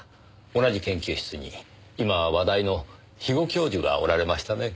同じ研究室に今話題の肥後教授がおられましたね？